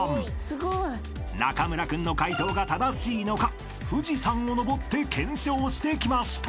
［中村君の解答が正しいのか富士山を登って検証してきました］